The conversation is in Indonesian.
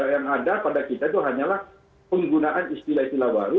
yang ada pada kita itu hanyalah penggunaan istilah istilah baru